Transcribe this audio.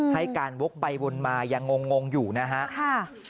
ให้การวกไปวนมายังงงอยู่นะฮะ